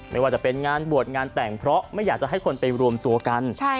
ไม่ว่าจะเป็นงานบวชงานแต่งเพราะไม่อยากจะให้คนไปรวมตัวกัน